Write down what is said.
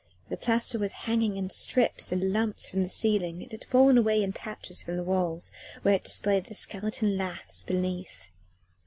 The plaster was hanging in strips and lumps from the ceiling; it had fallen away in patches from the walls where it displayed the skeleton laths beneath.